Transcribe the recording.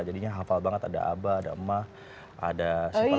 jadinya hafal banget ada aba ada emma ada siapa lagi ya